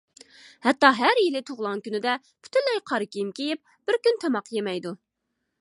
ھەتتا ھەر يىلى تۇغۇلغان كۈنىدە پۈتۈنلەي قارا كىيىم كىيىپ، بىر كۈن تاماق يېمەيدۇ.